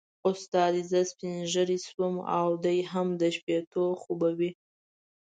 اوس دا دی زه سپینږیری شوم او دی هم د شپېتو خو به وي.